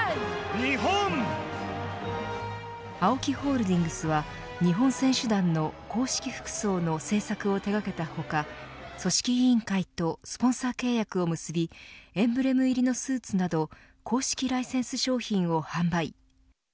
ＡＯＫＩホールディングスは日本選手団の公式服装の製作を手がけた他組織委員会とスポンサー契約を結びエンブレム入りのスーツなど公式ライセンス商品を販売。